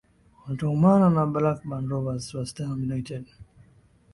wataumana na blackburn rovers westham united